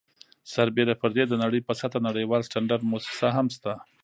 سربیره پر دې د نړۍ په سطحه نړیواله سټنډرډ مؤسسه هم شته.